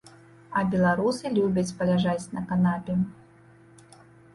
А беларусы любяць паляжаць на канапе.